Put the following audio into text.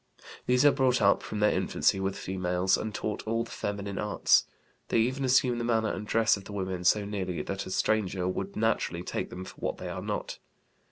These are brought up from their infancy with females, and taught all the feminine arts. They even assume the manner and dress of the women so nearly that a stranger would naturally take them for what they are not.